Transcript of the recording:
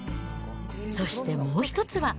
そしてもう一つは。